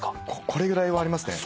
これぐらいはありますね。